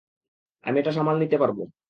আমি এটা সামলে নিতে পারবো।